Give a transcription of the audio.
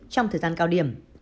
trong thời gian cao điểm